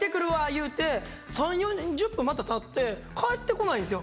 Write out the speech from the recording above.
言うて３０４０分またたって帰ってこないんですよ